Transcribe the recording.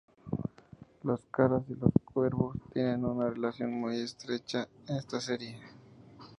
Los Karas y los cuervos tienen una relación muy estrecha en esta serie.